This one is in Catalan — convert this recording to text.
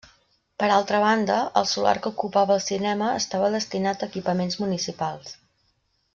Per altra banda, el solar que ocupava el cinema estava destinat a equipaments municipals.